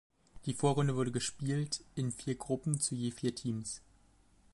Die Vorrunde wurde gespielt in vier Gruppen zu je vier Teams.